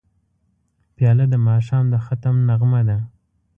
پیاله د ماښام د ختم نغمه ده.